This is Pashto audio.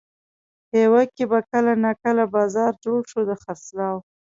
پېوه کې به کله ناکله بازار جوړ شو د خرڅلاو.